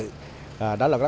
đó là rất là điều